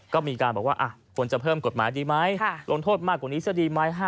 ก็มีการบอกว่าควรจะเพิ่มกฎหมายดีไหมลงโทษมากกว่านี้ซะดีไหม